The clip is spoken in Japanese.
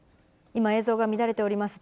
今、映像が乱れております。